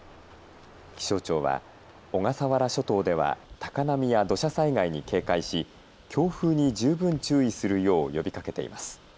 気象庁は小笠原諸島では高波や土砂災害に警戒し強風に十分注意するよう呼びかけています。